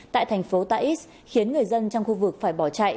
tại thành phố tais khiến người dân trong khu vực phải bỏ chạy